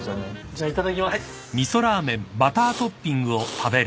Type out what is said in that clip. じゃあいただきます。